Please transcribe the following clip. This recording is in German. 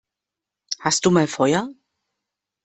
Hast du mal Feuer?